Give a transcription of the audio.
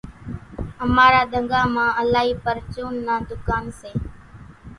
امارا ۮنڳا مان الائِي پرچونَ نا ۮُڪان سي۔